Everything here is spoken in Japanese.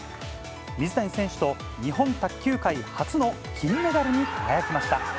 水谷選手と日本卓球界初の金メダルに輝きました。